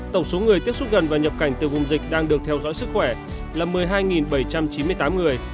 tổng số người tiếp xúc gần và nhập cảnh từ vùng dịch đang được theo dõi sức khỏe là một mươi hai bảy trăm chín mươi tám người